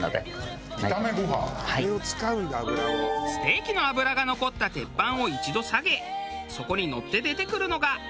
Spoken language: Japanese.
ステーキの脂が残った鉄板を一度下げそこにのって出てくるのが。